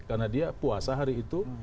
karena dia puasa hari itu